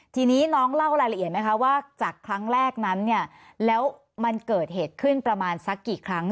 ทีนี้น้องเล่ารายละเอียดไหมคะว่าจากครั้งแรกนั้นเนี่ยแล้วมันเกิดเหตุขึ้นประมาณสักกี่ครั้ง